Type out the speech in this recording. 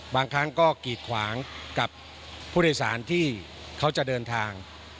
บางครั้งก็กีดขวางกับผู้โดยสารที่เขาจะเดินทาง